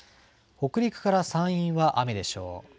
北陸から山陰は雨でしょう。